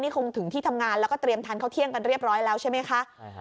ของทีที่ทำงานแล้วก็เตรียมถันเข้าเที่ยงกันเรียบร้อยแล้วใช่มั้ยคะ